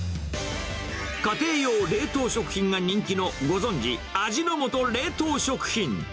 家庭用冷凍食品が人気のご存じ、味の素冷凍食品。